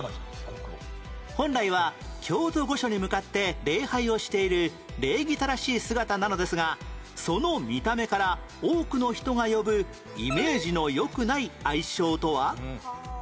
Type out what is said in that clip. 本来は京都御所に向かって礼拝をしている礼儀正しい姿なのですがその見た目から多くの人が呼ぶイメージの良くない愛称とは？